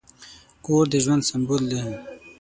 کور د ژوند سمبول دی.